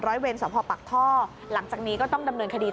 ร้อยเวรสอบพ่อปักท่อหลังจากนี้ก็ต้องดำเนินคดี